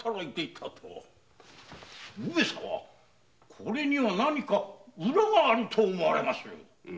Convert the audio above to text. これには何か「ウラ」があると思われまする。